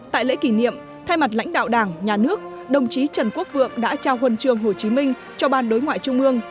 tại lễ kỷ niệm thay mặt lãnh đạo đảng nhà nước đồng chí trần quốc vượng đã trao huân trường hồ chí minh cho ban đối ngoại trung ương